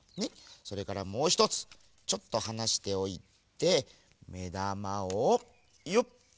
それからもうひとつちょっとはなしておいてめだまをよっ。